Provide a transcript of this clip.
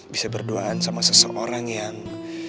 bisa berdoaan sama seseorang yang